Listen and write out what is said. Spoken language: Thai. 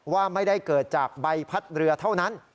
ว่าไม่ได้เกิดจากใบพัดเรือเท่านั้น